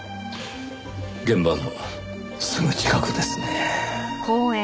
現場のすぐ近くですねぇ。